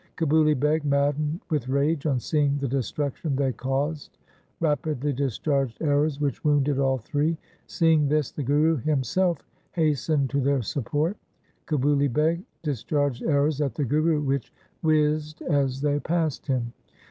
Kabuli Beg, maddened with rage on seeing the destruction they caused, rapidly discharged arrows which wounded all three. Seeing this the Guru himself hastened to their support. Kabuli Beg dis charged arrows at the Guru which whizzed as they passed him.